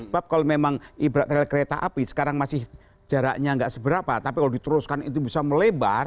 bapak kalau memang kereta api sekarang masih jaraknya enggak seberapa tapi kalau diteruskan itu bisa melebar